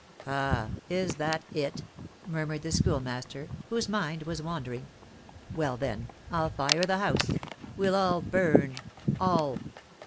"Ah, is that it?" murmured the Schoolmaster, whose mind was wandering; "well, then, I'll fire the house! we'll all burn all!